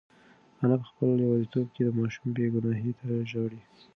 انا په خپل یوازیتوب کې د ماشوم بېګناهۍ ته ژاړي.